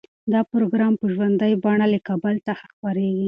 دا پروګرام په ژوندۍ بڼه له کابل څخه خپریږي.